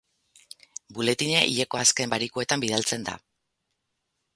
Buletina hileko azken barikuetan bidaltzen da.